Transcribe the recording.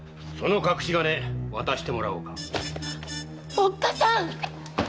おっかさん！